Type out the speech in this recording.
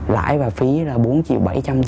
lãi và phí là bốn triệu bảy trăm chín mươi